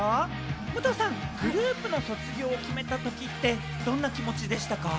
武藤さん、グループの卒業を決めたときってどんな気持ちでしたか？